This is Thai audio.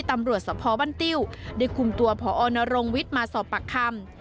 ตำรวจสภบ้านติ้วได้คุมตัวพอนรงวิทย์มาสอบปากคำ